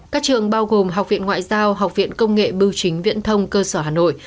các trường bao gồm học viện ngoại giao học viện công nghệ bưu chính viễn thông cơ sở hà nội